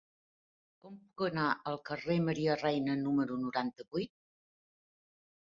Com puc anar al carrer de Maria Reina número noranta-vuit?